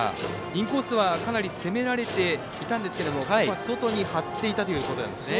インコースは、かなり攻められていたんですけれども外に張っていたということなんですね。